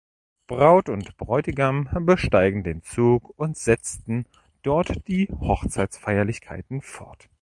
Braut und Bräutigam besteigen den Zug und setzten dort die Hochzeitsfeierlichkeiten fort.